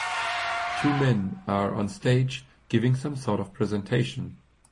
Two men are on stage giving some sort of presentation.